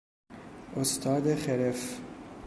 استاد خرف